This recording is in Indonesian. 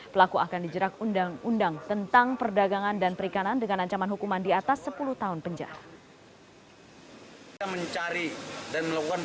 pelaku akan dijerak undang undang tentang perdagangan dan perikanan dengan ancaman hukuman di atas sepuluh tahun penjara